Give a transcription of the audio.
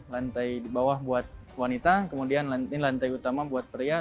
lantai di bawah buat wanita kemudian ini lantai utama buat pria